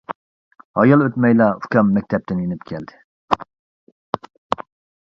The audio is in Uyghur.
ھايال ئۆتمەيلا ئۇكام مەكتەپتىن يېنىپ كەلدى.